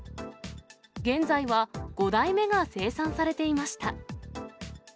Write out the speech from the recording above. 現在は５代目が生産されていました。